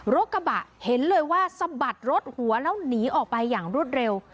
รถกระบะเห็นเลยว่าสะบัดรถหัวแล้วหนีออกไปอย่างรวดเร็ว